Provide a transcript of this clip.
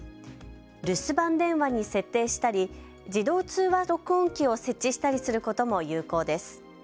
留守番電話に設定したり自動通話録音機を設置したりすることも有効です。